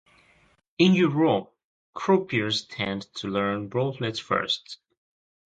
In Europe, croupiers tend to learn roulette first.